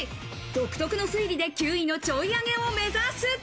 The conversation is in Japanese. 独特の推理で９位のちょい上げを目指す。